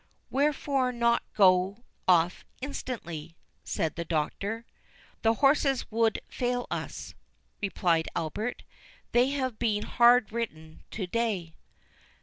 "Wherefore not go off instantly?" said the Doctor. "The horses would fail us," replied Albert; "they have been hard ridden to day."